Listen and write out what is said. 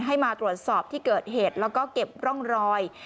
ให้มาตรวจสอบที่เกิดเหตุแล้วก็เก็บร่องรอย